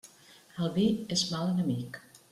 El vi és mal enemic.